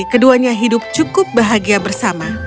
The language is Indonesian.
keduanya hidup cukup bahagia bersama